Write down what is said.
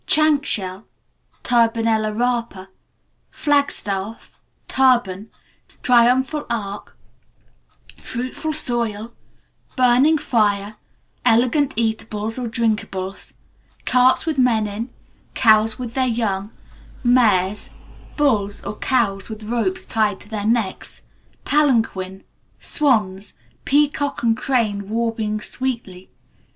Chank shell (Turbinella rapa), flagstaff, turban, triumphal arch, fruitful soil, burning fire, elegant eatables or drinkables, carts with men in, cows with their young, mares, bulls or cows with ropes tied to their necks, palanquin, swans, peacock and crane warbling sweetly.